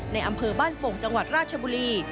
ในอำเภอบ้านโป่งจังหวัดราชบุรี